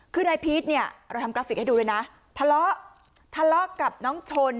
คือนายพีชเนี่ยเราทำกราฟิกให้ดูด้วยนะทะเลาะทะเลาะกับน้องชน